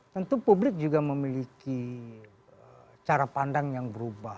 tentu publik juga memiliki cara pandang yang berubah